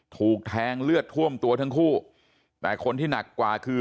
ถูกแทงเลือดท่วมตัวทั้งคู่แต่คนที่หนักกว่าคือ